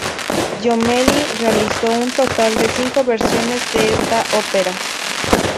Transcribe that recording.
Jommelli realizó un total de cinco versiones de esta ópera.